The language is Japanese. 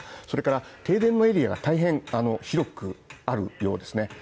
それから、停電のエリアは大変多くあるようですね